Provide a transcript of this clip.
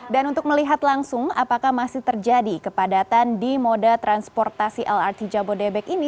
dan untuk melihat langsung apakah masih terjadi kepadatan di moda transportasi lrt jabodebek ini